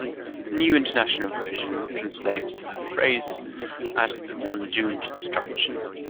The New International Version translates the phrase as the one doomed to destruction.